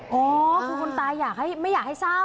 อ๋อคือคนตายไม่อยากให้เศร้า